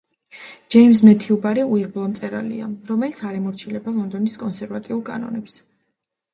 ჯეიმზ მეთიუ ბარი უიღბლო მწერალია, რომელიც არ ემორჩილება ლონდონის კონსერვატიულ კანონებს.